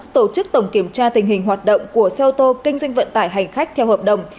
tổ chức tổng kiểm tra tình hình hoạt động của xe ô tô kinh doanh vận tải hành khách theo hợp đồng